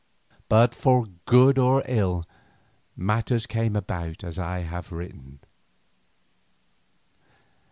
But for good or ill, matters came about as I have written.